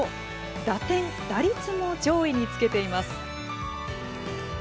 打点、打率も上位につけています。